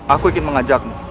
aku ingin mengajakmu